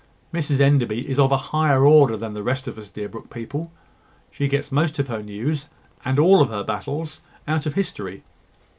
Mrs Enderby is of a higher order than the rest of us Deerbrook people: she gets most of her news, and all her battles, out of history."